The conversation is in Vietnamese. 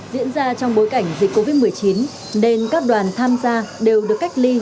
diễn ra trong bối cảnh dịch covid một mươi chín nên các đoàn tham gia đều được cách ly